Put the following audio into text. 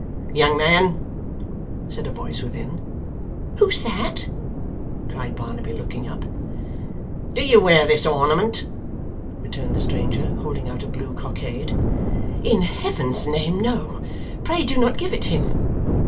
'Young man,' said a voice within. 'Who's that?' cried Barnaby, looking up. 'Do you wear this ornament?' returned the stranger, holding out a blue cockade. 'In Heaven's name, no. Pray do not give it him!